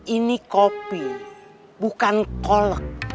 ini kopi bukan kol